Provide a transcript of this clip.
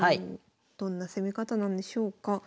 どんな攻め方なんでしょうか。